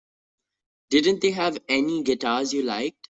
Didn't they have any guitars you liked?